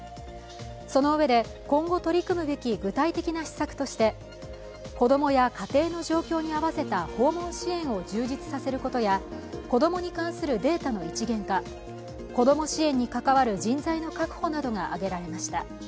そのうえで、今後取り組むべき具体的な施策として子供や家庭の状況に合わせた訪問支援を充実させることやこどもに関するデータの一元化子供支援に関わる人材の確保などが挙げられました。